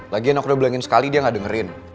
lagian aku udah bilangin sekali dia nggak dengerin